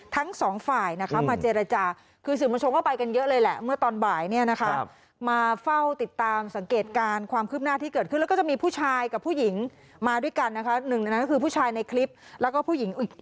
มันไหล้สาระมันไหล้สาระมันไหล้สาระมันไหล้สาระมันไหล้สาระมันไหล้สาระมันไหล้สาระมันไหล้สาระมันไหล้สาระมันไหล้สาระมันไหล้สาระมัน